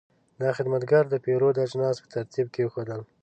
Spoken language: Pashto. دا خدمتګر د پیرود اجناس په ترتیب کېښودل.